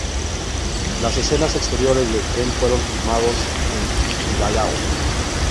Las escenas exteriores del tren fueron filmados en Idaho.